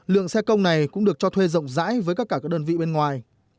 lượng xe công này cũng được cho thuê rộng rãi với các đơn vị bên ngoài